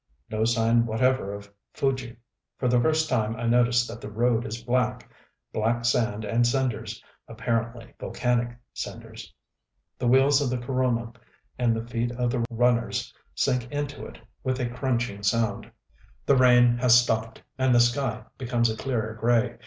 No sign whatever of Fuji.... For the first time I notice that the road is black, black sand and cinders apparently, volcanic cinders: the wheels of the kuruma and the feet of the runners sink into it with a crunching sound. The rain has stopped, and the sky becomes a clearer grey....